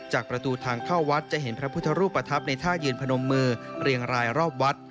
ประตูทางเข้าวัดจะเห็นพระพุทธรูปประทับในท่ายืนพนมมือเรียงรายรอบวัด